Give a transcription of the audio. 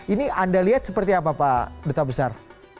ini anda lihat seperti apa pak duta besar